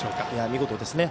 見事ですね。